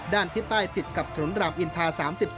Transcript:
ด้านที่ใต้ติดกับถลุนรามอินทรา๓๔